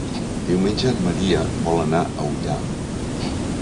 Diumenge en Maria vol anar a Ullà.